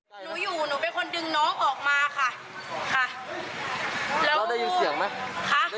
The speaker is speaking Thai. หนูอยู่หนูเป็นคนดึงน้องออกมาค่ะ